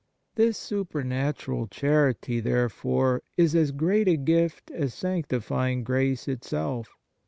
This supernatural charity therefore is as great a gift as sanctifying grace itself.